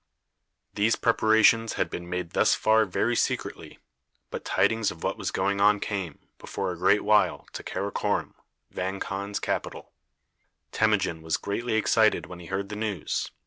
These preparations had been made thus far very secretly; but tidings of what was going on came, before a great while, to Karakorom, Vang Khan's capital. Temujin was greatly excited when he heard the news.